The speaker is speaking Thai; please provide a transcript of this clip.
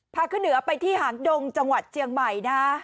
พาขึ้นเหนือไปที่หางดงจังหวัดเจียงใหม่นะฮะ